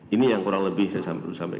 ini yang kurang lebih saya sampaikan